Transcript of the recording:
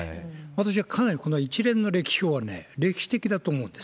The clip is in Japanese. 私はかなりこの一連の歴訪はね、歴史的だと思うんです。